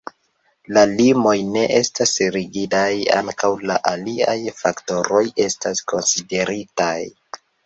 La limoj ne estas rigidaj, ankaŭ la aliaj faktoroj estas konsideritaj.